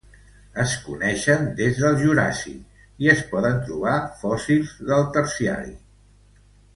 Es coneixen des del Juràssic i es poden trobar fòssils del Terciari.